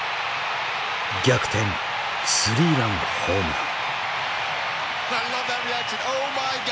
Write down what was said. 逆転スリーランホームラン。